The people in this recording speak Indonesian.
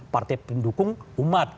partai pendukung umat